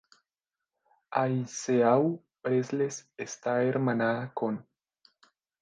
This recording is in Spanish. Aiseau-Presles está hermanada con